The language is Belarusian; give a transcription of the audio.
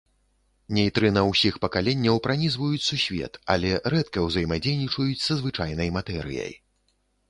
Нейтрына ўсіх пакаленняў пранізваюць сусвет, але рэдка ўзаемадзейнічаюць са звычайнай матэрыяй.